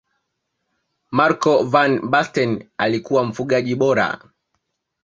marco van basten alikuwa mfungaji bora